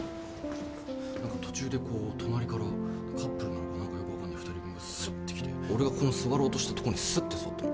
何か途中でこう隣からカップルなのかよく分かんない２人組がスッて来て俺が座ろうとしたとこにスッて座ったの。